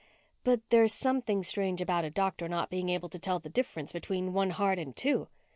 "But there's something strange about a doctor not being able to tell the difference between one heart and two.